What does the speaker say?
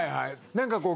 なんかこう。